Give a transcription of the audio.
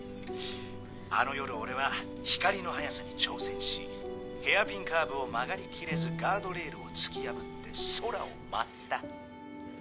あの夜俺は光の速さに挑戦しヘアピンカーブを曲がりきれずガードレールを突き破って空を舞った。